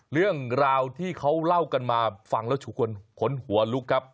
เรื่องราวที่เขาเล่ากันมาฟังแล้วขนหัวลุกครับ